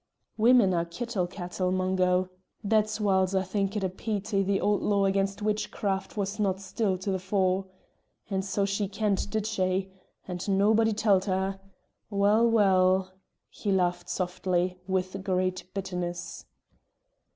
"Women are kittle cattle, Mungo. There's whiles I think it a peety the old law against witchcraft was not still to the fore. And so she kent, did she? and nobody tell't her. Well, well!" He laughed softly, with great bitterness.